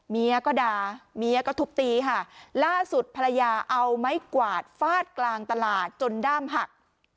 เมียก็ด่าเมียก็ทุบตีค่ะล่าสุดภรรยาเอาไม้กวาดฟาดกลางตลาดจนด้ามหัก